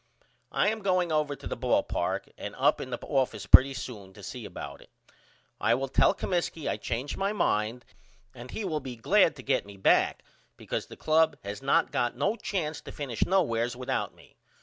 I am going over to the ball park and up in the office pretty soon to see about it. I will tell Comiskey I changed my mind and he will be glad to get me back because the club has not got no chance to finish nowheres without me.